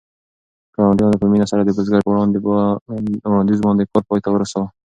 ګاونډیانو په مینه سره د بزګر په وړاندیز باندې کار پای ته ورساوه.